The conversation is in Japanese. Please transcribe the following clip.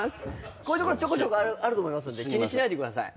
こういうところちょこちょこあると思いますんで気にしないでください。